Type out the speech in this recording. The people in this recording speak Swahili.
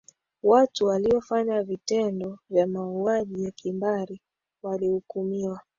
watu waliofanya vitendo vya mauaji ya kimbari walihukumiwa